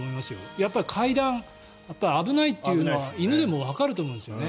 やっぱり階段、危ないという犬でもわかると思うんですね。